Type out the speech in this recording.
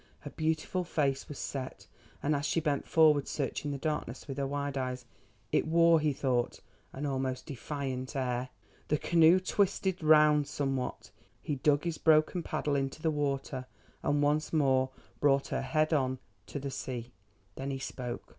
Her beautiful face was set, and as she bent forward searching the darkness with her wide eyes, it wore, he thought, an almost defiant air. The canoe twisted round somewhat. He dug his broken paddle into the water and once more brought her head on to the sea. Then he spoke.